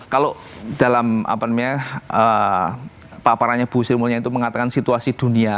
kalau dalam paparannya bu sri mulya itu mengatakan situasi dunia